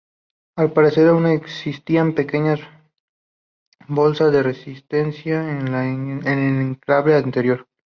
Al parecer, aún existían pequeñas bolsas de resistencia en el enclave anterior.